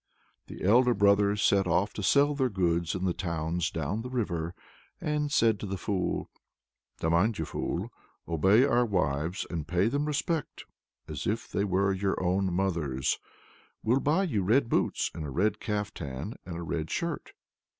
The elder brothers set off to sell their goods in the towns down the river, and said to the fool: "Now mind, fool! obey our wives, and pay them respect as if they were your own mothers. We'll buy you red boots, and a red caftan, and a red shirt."